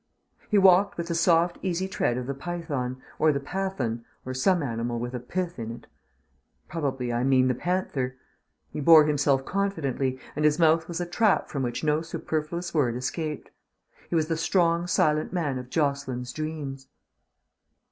He walked with the soft easy tread of the python, or the Pathan, or some animal with a "pth" in it. Probably I mean the panther. He bore himself confidently, and his mouth was a trap from which no superfluous word escaped. He was the strong silent man of Jocelyn's dreams.